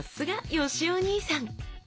よしお兄さん！